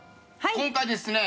今回ですね